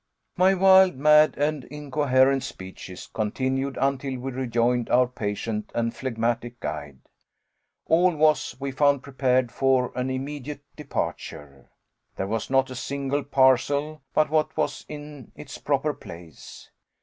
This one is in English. My wild, mad, and incoherent speeches continued until we rejoined our patient and phlegmatic guide. All was, we found, prepared for an immediate departure. There was not a single parcel but what was in its proper place.